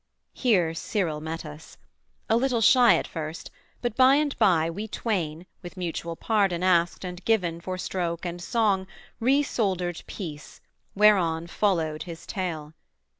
Here Cyril met us. A little shy at first, but by and by We twain, with mutual pardon asked and given For stroke and song, resoldered peace, whereon Followed his tale.